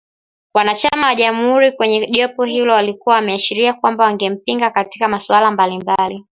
Wanachama wa jamuhuri kwenye jopo hilo walikuwa wameashiria kwamba wangempinga katika masuala mbali mbali